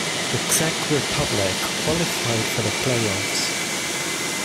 The Czech Republic qualified for the play-offs.